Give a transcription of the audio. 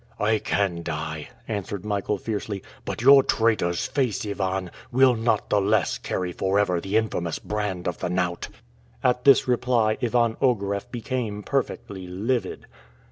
"I can die," answered Michael fiercely; "but your traitor's face, Ivan, will not the less carry forever the infamous brand of the knout." At this reply Ivan Ogareff became perfectly livid.